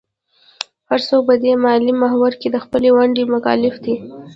هر څوک په دې ملي محور کې د خپلې ونډې مکلف دی.